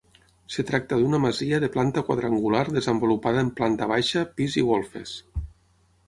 Es tracta d'una masia de planta quadrangular desenvolupada en planta baixa, pis i golfes.